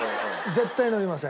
絶対のりません。